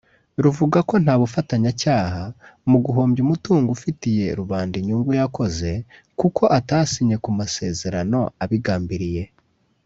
ruvuga ko nta bufatanyacyaha mu guhombya umutungo ufitiye rubanda inyungu yakoze kuko atasinye ku masezerano abigambiriye